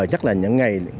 chắc là những ngày nghỉ